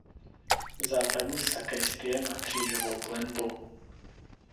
Západní sakristie má křížovou klenbu.